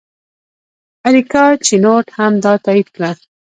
اریکا چینوت هم دا تایید کړه.